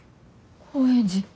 高円寺